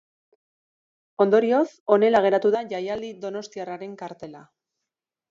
Ondorioz, honela geratu da jaialdi donostiarraren kartela.